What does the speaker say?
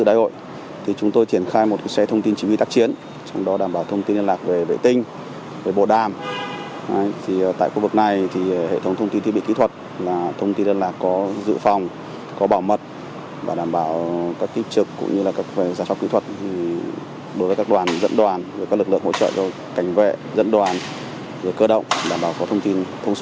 đồng chí cán bộ kỹ thuật nhằm đảm bảo thông tin liên lạc an toàn